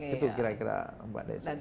itu kira kira mbak desi